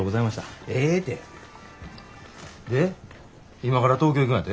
今から東京行くんやて？